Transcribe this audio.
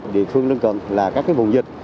địa phương lân cận là các vùng dịch